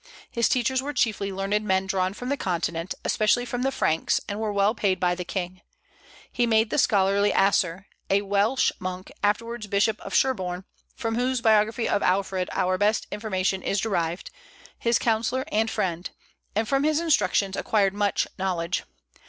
His teachers were chiefly learned men drawn from the continent, especially from the Franks, and were well paid by the king. He made the scholarly Asser a Welsh monk, afterwards bishop of Sherborne, from whose biography of Alfred our best information is derived his counsellor and friend, and from his instructions acquired much knowledge.